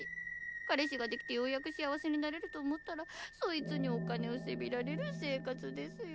彼氏ができてようやく幸せになれると思ったらそいつにお金をせびられる生活ですよ。